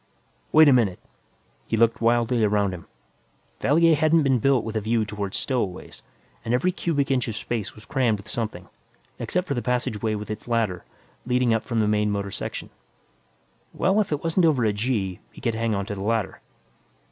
"Wait a minute." He looked wildly about him. Valier hadn't been built with a view toward stowaways; and every cubic inch of space was crammed with something, except for the passageway with its ladder, leading up from the main motor section. Well, if it wasn't over a "g," he could hang on to the ladder.